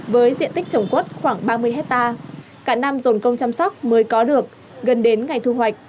với diện tích trồng quất khoảng ba mươi hectare cả năm dồn công chăm sóc mới có được gần đến ngày thu hoạch